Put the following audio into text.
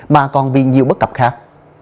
mà còn vì nhiều bất cập khác